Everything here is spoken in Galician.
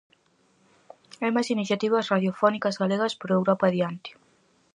Hai máis iniciativas radiofónicas galegas por Europa adiante.